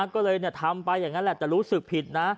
ก็เลยทำไปอย่างนั้นแหละแต่รู้สึกผิดนะ